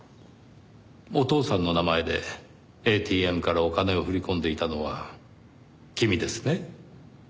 お父さんの名前でＡＴＭからお金を振り込んでいたのは君ですね？